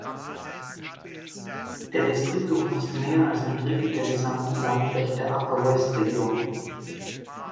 Der Distrikt umfasst mehr als ein Drittel der gesamten Landfläche der Upper West Region.